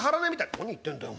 「何言ってんだお前。